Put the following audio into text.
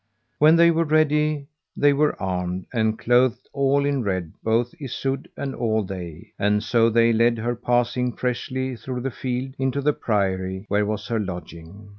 When they were ready they were armed, and clothed all in red, both Isoud and all they; and so they led her passing freshly through the field, into the priory where was her lodging.